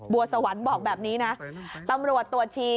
สวรรค์บอกแบบนี้นะตำรวจตรวจชี